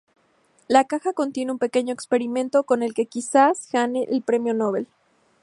La caja contiene un pequeño experimento con el que quizás gane el premio nobel.